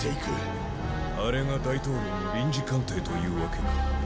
あれが大統領の臨時官邸というわけか。